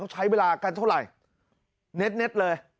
ใช้เวลากันเท่าไหร่เน็ตเลย